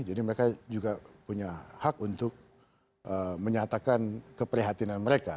jadi mereka juga punya hak untuk menyatakan keprihatinan mereka